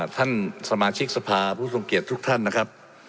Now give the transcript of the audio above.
ท่านสมาชิกสภาผู้ทรงเกียจทุกท่านนะครับ